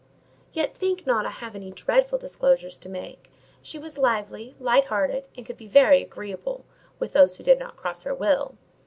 Yet think not I have any dreadful disclosures to make: she was lively, light hearted, and could be very agreeable, with those who did not cross her will.